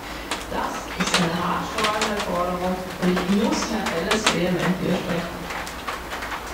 Das ist eine haarsträubende Forderung, und ich muss Herrn Elles vehement widersprechen.